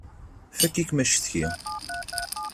Fakk-ikem acetki!